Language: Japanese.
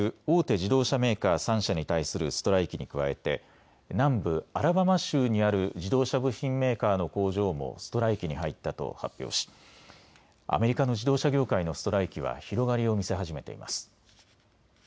自動車メーカー３社に対するストライキに加えて南部アラバマ州にある自動車部品メーカーの工場もストライキに入ったと発表しアメリカの自動車業界のストライキは広がりを見せ始めています。